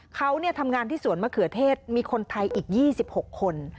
เขาทำงานที่สวนมะเขือเทศมีคนไทยอีก๒๖คน